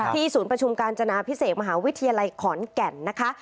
ศูนย์ประชุมกาญจนาพิเศษมหาวิทยาลัยขอนแก่นนะคะ